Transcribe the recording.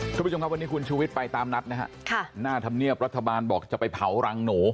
คุณผู้ชมครับวันนี้คุณชูวิทย์ไปตามนัดนะฮะค่ะหน้าธรรมเนียบรัฐบาลบอกจะไปเผารังหนู